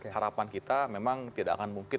harapan kita memang tidak akan mungkin